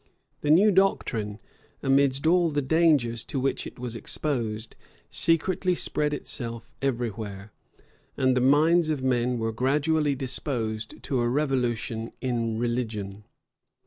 The new doctrine, amidst all the dangers to which it was exposed, secretly spread itself every where; and the minds of men were gradually disposed to a revolution in religion.